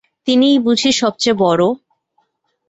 তিনিই বুঝি সব চেয়ে বড়ো?